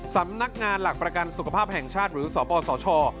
สำนักงานหลักประกันสุขภาพแห่งชาติหรือสปสช